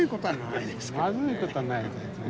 まずいことはないですけども。